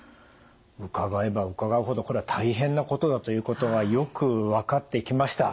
伺えば伺うほどこれは大変なことだということがよく分かってきました。